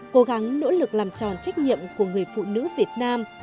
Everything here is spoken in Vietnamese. cố gắng nỗ lực làm tròn trách nhiệm của người phụ nữ việt nam